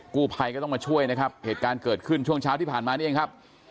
กู้ภัยก็ต้องมาช่วยนะครับเหตุการณ์เกิดขึ้นช่วงเช้าที่ผ่านมานี่เองครับ